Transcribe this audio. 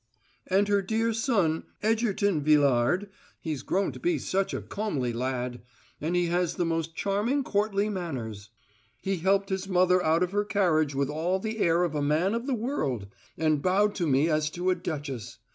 " And her dear son, Egerton Villard, he's grown to be such a comely lad, and he has the most charming courtly manners: he helped his mother out of her carriage with all the air of a man of the world, and bowed to me as to a duchess.